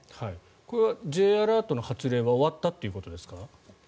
これはＪアラートの発令は終わったということですか？